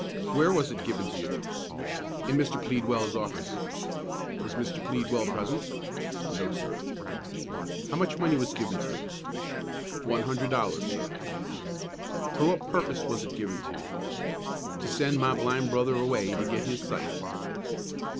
"Where was it given to you?" "In Mr. Pleadwell's office." "Was Mr. Pleadwell present?" "No, sir." "How much money was given to you?" "One hundred dollars, sir." "For what purpose was it given to you?" "To send my blind brother away to get his sight."